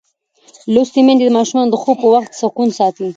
لوستې میندې د ماشومانو د خوب پر وخت سکون ساتي.